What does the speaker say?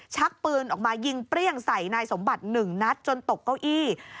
ชักปืนออกมายิงเปรี้ยงใส่นายสมบัติ๑นัดจนตกเก้าอี้